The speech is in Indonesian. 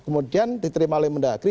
kemudian diterima oleh mendagri